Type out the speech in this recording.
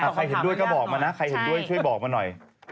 ใครเห็นด้วยก็บอกมานะใครเห็นด้วยช่วยบอกมาหน่อย